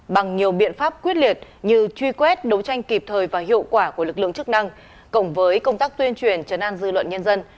bằng nhiều biện pháp quyết liệt như truy quét đấu tranh kịp thời và hiệu quả của lực lượng chức năng cộng với công tác tuyên truyền chấn an dư luận nhân dân